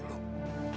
terima kasih pak